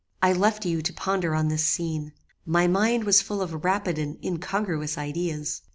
"I left you to ponder on this scene. My mind was full of rapid and incongruous ideas.